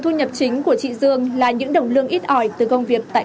các nhà đơn vị các nhà đơn vị các nhà đơn vị các nhà đơn vị các nhà đơn vị